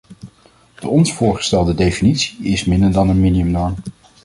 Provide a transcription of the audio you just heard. De ons voorgestelde definitie is minder dan een minimumnorm.